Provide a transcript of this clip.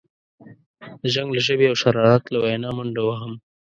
د جنګ له ژبې او شرارت له وینا منډه وهم.